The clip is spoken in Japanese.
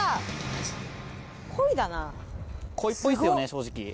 正直。